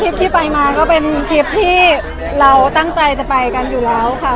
ที่ไปมาก็เป็นคลิปที่เราตั้งใจจะไปกันอยู่แล้วค่ะ